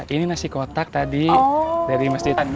ini nasi kotak tadi dari masjid